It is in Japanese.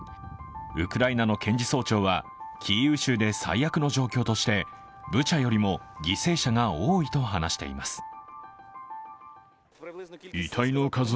ウクライナの検事総長はキーウ州で最悪の状況としてブチャよりも犠牲者が多いと話しています。